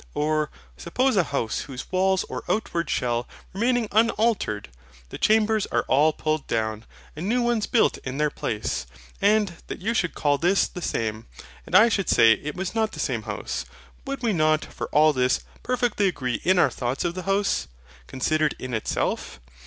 Or, suppose a house, whose walls or outward shell remaining unaltered, the chambers are all pulled down, and new ones built in their place; and that you should call this the SAME, and I should say it was not the SAME house. would we not, for all this, perfectly agree in our thoughts of the house, considered in itself?